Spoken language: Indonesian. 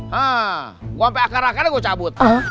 hahaha gak tau apa